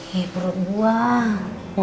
ya perut gua